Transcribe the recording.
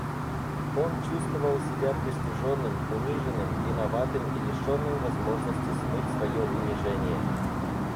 Он чувствовал себя пристыженным, униженным, виноватым и лишенным возможности смыть свое унижение.